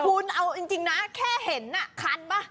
คุณเอาจริงนะแค่เห็นคันป่ะ